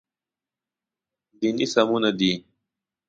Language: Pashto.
دیني سمونه دی.